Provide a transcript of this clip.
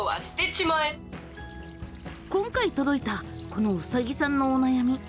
今回届いたこのうさぎさんのお悩み。